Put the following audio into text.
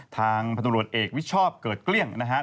ทางพันธุรกิจเอกวิชอบเกิดเกลี้ยงนะครับ